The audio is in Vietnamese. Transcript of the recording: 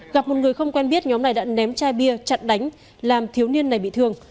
gặp một người không quen biết nhóm này đã ném chai bia chặt đánh làm thiếu niên này bị thương